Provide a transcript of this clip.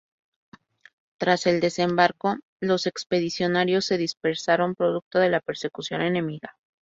Tras el desembarco, los expedicionarios se dispersaron producto de la persecución enemiga.